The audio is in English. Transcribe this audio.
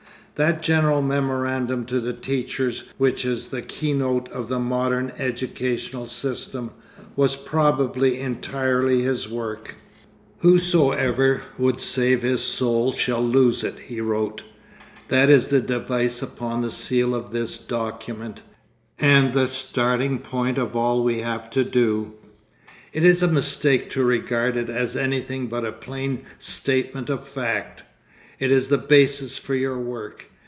That general memorandum to the teachers which is the key note of the modern educational system, was probably entirely his work. 'Whosoever would save his soul shall lose it,' he wrote. 'That is the device upon the seal of this document, and the starting point of all we have to do. It is a mistake to regard it as anything but a plain statement of fact. It is the basis for your work.